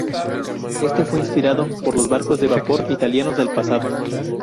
Este fue inspirado por los barcos de vapor italianos del pasado.